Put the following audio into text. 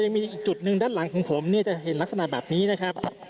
ยังมีอีกจุดหนึ่งด้านหลังของผมเนี่ยจะเห็นลักษณะแบบนี้นะครับ